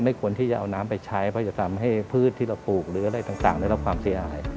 ควรที่จะเอาน้ำไปใช้เพราะจะทำให้พืชที่เราปลูกหรืออะไรต่างได้รับความเสียหาย